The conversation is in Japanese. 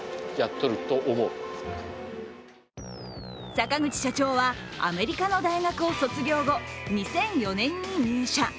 坂口社長はアメリカの大学を卒業後、２００４年に入社。